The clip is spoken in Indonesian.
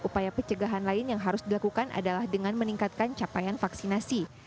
upaya pencegahan lain yang harus dilakukan adalah dengan meningkatkan capaian vaksinasi